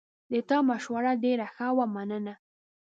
د تا مشوره ډېره ښه وه، مننه